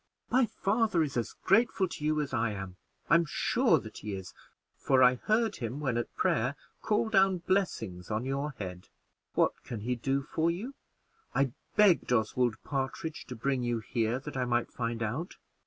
"My father is as grateful to you as I am I'm sure that he is for I heard him, when at prayer, call down blessings on your head. What can he do for you? I begged Oswald Partridge to bring you here that I might find out.